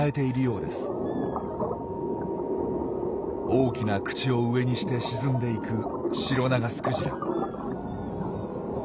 大きな口を上にして沈んでいくシロナガスクジラ。